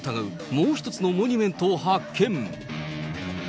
もう１つのモニュメントを発見。